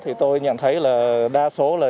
thì tôi nhận thấy là đa số là